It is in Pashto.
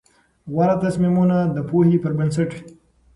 غوره تصمیمونه د پوهې پر بنسټ وي.